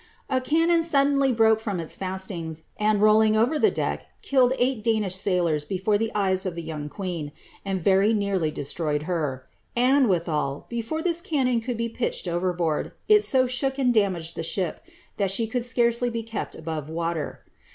A cannon suddenly broke from its fastenings, and, rolling over the deck, killed eight Danish sailors before the eyes of the young queen, and very nearly destroyed her f. and, withal, before this cannon could be pitched overboard, it so shook and damaged the ship, that she could scarcely be kept above water.